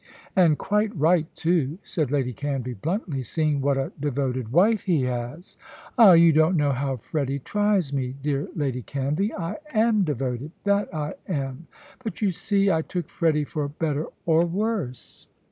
"And quite right too," said Lady Canvey, bluntly, "seeing what a devoted wife he has." "Ah, you don't know how Freddy tries me, dear Lady Canvey. I am devoted that I am. But, you see, I took Freddy for better or worse."